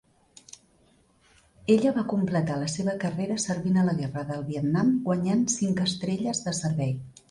Ella va completar la seva carrera servint a la Guerra del Vietnam, guanyant cinc estrelles de servei.